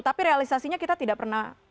tapi realisasinya kita tidak pernah